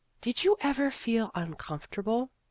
" Did you ever feel uncomfortable?"